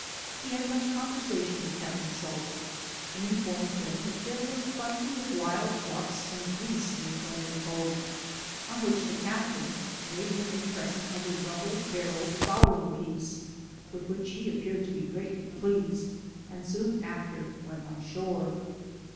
He had much conversation with Captain Salter, and in formed him that there were plenty of wild ducks and geese near Friendly Cove, on which the Cap tain made him a present of a double barrelled fowl ing piece, with which he appeared to be greatly ple&sed, and soon after went on shore.